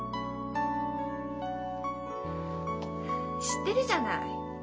知ってるじゃない。